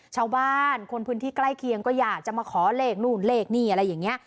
ชาวบ้านคนพื้นที่ใกล้เคียงก็อยากจะมาขอเลขนู่นเลขนี่อะไรอย่างนี้